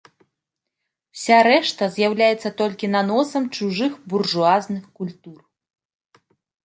Уся рэшта з'яўляецца толькі наносам чужых буржуазных культур.